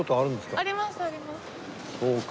そうか。